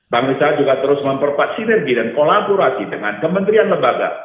banesa juga terus memperpak sinergi dan kolaborasi dengan kementerian lembaga